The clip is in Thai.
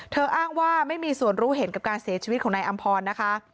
อ้างว่าไม่มีส่วนรู้เห็นกับการเสียชีวิตของนายอำพรนะคะ